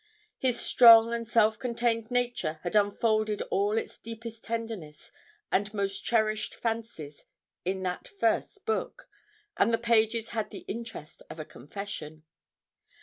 His strong and self contained nature had unfolded all its deepest tenderness and most cherished fancies in that his first book, and the pages had the interest of a confession.